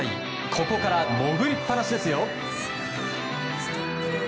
ここから潜りっぱなしですよ。